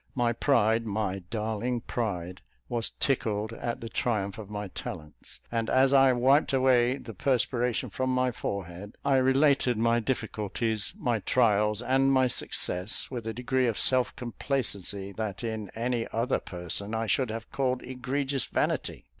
My pride, my darling pride, was tickled at the triumph of my talents; and as I wiped away the perspiration from my forehead, I related my difficulties, my trials, and my success, with a degree of self complacency that in any other person I should have called egregious vanity.